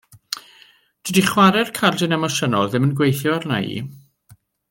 Dydy chware'r cardyn emosiynol ddim yn gweithio arna' i.